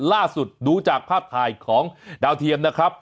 ดูจากภาพถ่ายของดาวเทียมนะครับ